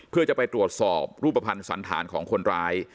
เพื่อจะไปตรวจสอบรูปภัณฑ์สันธารของคนร้าย